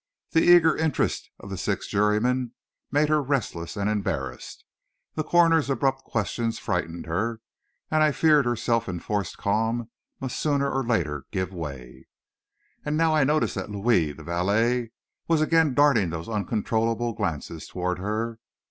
The eager interest of the six jurymen made her restless and embarrassed. The coroner's abrupt questions frightened her, and I feared her self enforced calm must sooner or later give way. And now I noticed that Louis, the valet, was again darting those uncontrollable glances toward her.